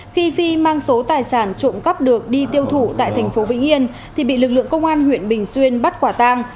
khi phi mang số tài sản trộm cắp được đi tiêu thụ tại thành phố vĩnh yên thì bị lực lượng công an huyện bình xuyên bắt quả tang